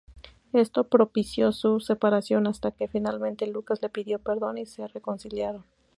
Esto propició su separación hasta que finalmente Lucas le pidió perdón y se reconciliaron.